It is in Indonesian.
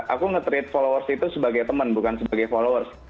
aku nge treat followers itu sebagai teman bukan sebagai followers